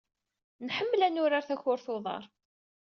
Nḥemmel ad nurar takurt n uḍar.